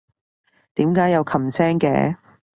點解有琴聲嘅？